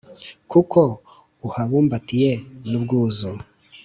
Kuko uhabumbatiye n’ubwuzu